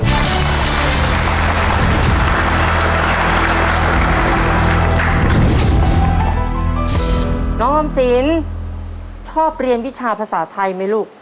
น้องออมสินชอบเรียนวิชาภาษาไทยไหมลูก